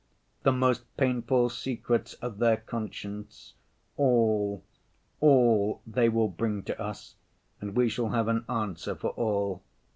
The most painful secrets of their conscience, all, all they will bring to us, and we shall have an answer for all.